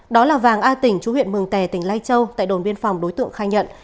đó là vàng a tỉnh chú huyện mường tè tỉnh lai châu tại đồn biên phòng đối tượng khai nhận